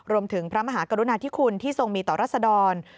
พระมหากรุณาธิคุณที่ทรงมีต่อรัศดร